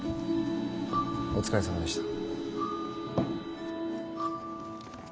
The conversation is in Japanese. お疲れさまでした。